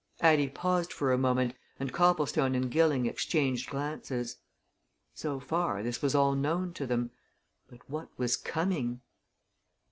Addie paused for a moment, and Copplestone and Gilling exchanged glances. So far, this was all known to them but what was coming?